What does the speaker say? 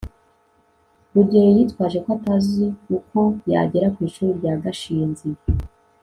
rugeyo yitwaje ko atazi uko yagera ku ishuri rya gashinzi